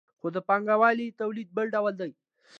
خو د پانګوالي تولید بل ډول دی.